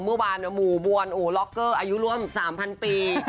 เมื่อวานหมู่บวนอู๋ล็อกเกอร์อายุร่วม๓๐๐ปี